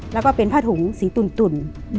แล้วก็เป็นผ้าถุงสีตุ่น